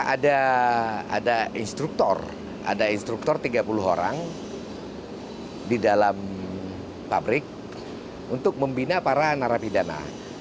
ada instruktur ada instruktur tiga puluh orang di dalam pabrik untuk membina para narapidana